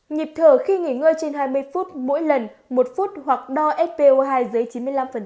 nhịp thở khi nghỉ ngơi trên hai mươi phút mỗi lần một phút hoặc đo spo hai dưới chín mươi năm